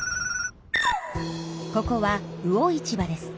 ここは魚市場です。